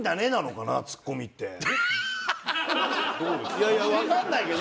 いやいやわからないけど。